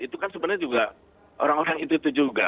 itu kan sebenarnya juga orang orang itu itu juga